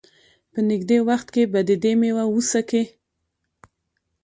په نېږدې وخت کې به د دې مېوه وڅکي.